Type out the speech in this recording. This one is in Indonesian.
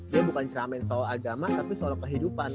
dia bukan ceramen soal agama tapi soal kehidupan